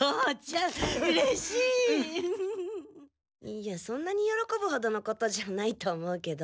いやそんなに喜ぶほどのことじゃあないと思うけど。